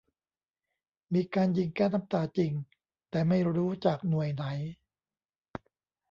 มีการยิงแก๊สน้ำตาจริง แต่ไม่รู้จากหน่วยไหน